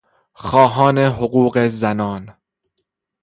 خواهان حقوق زنان